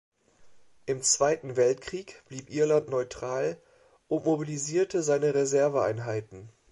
Im Zweiten Weltkrieg blieb Irland neutral und mobilisierte seine Reserveeinheiten.